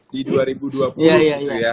di dua ribu dua puluh gitu ya